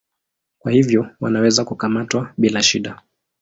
Kwa hivyo wanaweza kukamatwa bila shida.